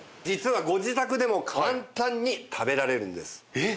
えっ？